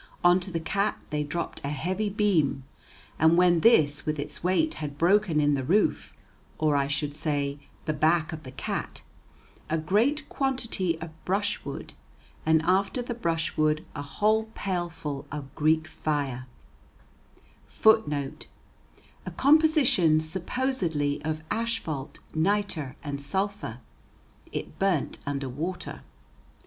On to the cat they dropped a heavy beam; and when this with its weight had broken in the roof, or I should rather say the back of the cat, a great quantity of brushwood, and after the brushwood a whole pailful of Greek fire [Footnote: A composition, supposedly of asphalt, nitre and sulphur. It burnt under water.